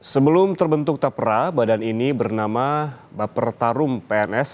sebelum terbentuk tapra badan ini bernama baper tarum pns